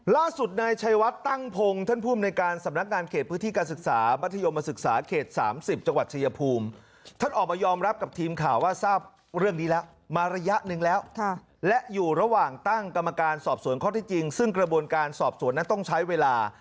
ล่าสุดในชายวัดตั้งพงศ์ท่านพุ่มในการสำนักงานเขตพื้นที่การศึกษา